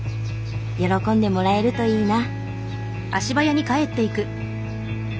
喜んでもらえるといいな。